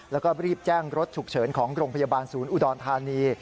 แล้วก็รีบแจ้งรถฉุกเฉินของโรงพยาบาลศูนย์อุดรธานี